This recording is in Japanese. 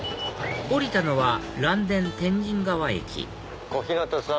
降りたのは嵐電天神川駅小日向さん。